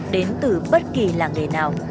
đến từ bất kỳ làng nghề nào